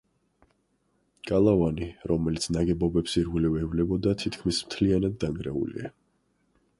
გალავანი, რომელიც ნაგებობებს ირგვლივ ევლებოდა, თითქმის მთლიანად დანგრეულია.